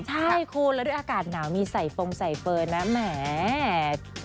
ใช่คุณแล้วด้วยอากาศหนาวมีใส่ฟงใส่เฟิร์นนะแหม